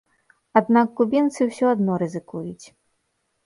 Аднак кубінцы ўсё адно рызыкуюць.